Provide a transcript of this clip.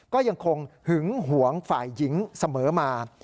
ก็ยังคงหึงหวงฝ่ายหญิงเสมอมา